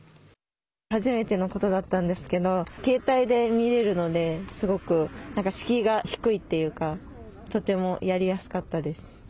初めてのことだったんですけど携帯で見れるのですごく敷居が低いというかとてもやりやすかったです。